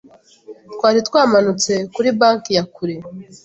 Twari twamanutse kuri banki ya kure